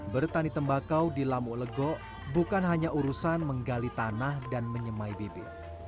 bertani tembakau di lamu'elego bukan hanya urusan menggali tanah dan menyemai bibir